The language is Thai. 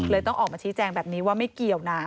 ต้องออกมาชี้แจงแบบนี้ว่าไม่เกี่ยวนะ